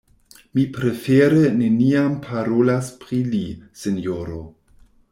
Mi prefere neniam parolas pri li, sinjoro.